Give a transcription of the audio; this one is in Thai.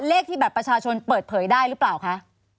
เลขที่บัตรประชาชนเปิดเผยได้หรือเปล่าคะ